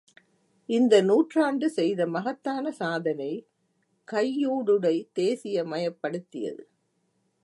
இந்த நூற்றாண்டு செய்த மகத்தான சாதனை, கையூடுடை தேசியமயப்படுத்தியது.